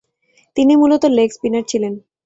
তিনি মূলতঃ leg spinner ছিলেন।